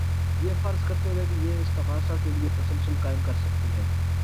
یہ فرض کرتے ہوئے کہ یہ استغاثہ کے لیے تسلسل قائم کر سکتی ہے